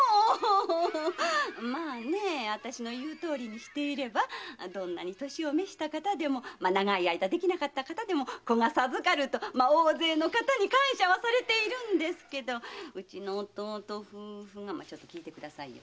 私の言うとおりにしていればどんなに年を召した方でも長い間できなかった方でも子が授かると大勢の方に感謝をされているんですけどうちの弟夫婦がちょっと聞いてくださいよ。